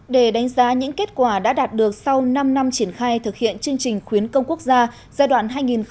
để đánh giá những kết quả đã đạt được sau năm năm triển khai thực hiện chương trình khuyến công quốc gia giai đoạn hai nghìn một mươi sáu hai nghìn hai mươi